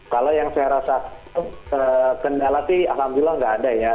kalau yang saya rasa kental alhamdulillah nggak ada ya